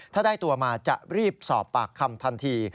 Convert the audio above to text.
ถ้าได้ตัวมาจะรีบสอบปากคำทันที